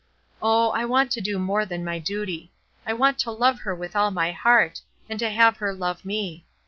Oh, I want to do more than my duty; I want to love her with all my heart, and to have her love me.